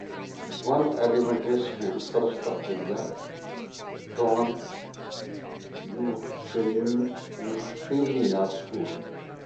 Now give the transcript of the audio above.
One elementary school serves the area, Dawn-Euphemia School.